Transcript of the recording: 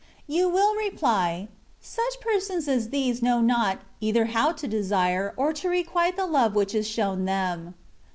You will reply :—" Such persons as these know not, either how to desire, or to requite the love which is shown theii.''